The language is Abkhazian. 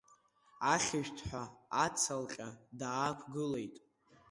Ахьышәҭҳәа ацалаҟьа даақәгылеит.